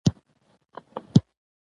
چي موږ ټول خپل مسؤليت وپېژنو.